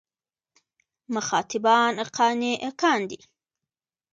مخاطبان قانع کاندي.